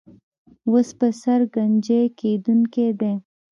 اوس پر سر ګنجۍ کېدونکی دی.